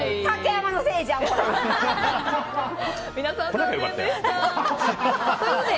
竹山のせいじゃん！